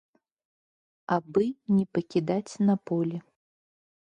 Абы не пакідаць на полі.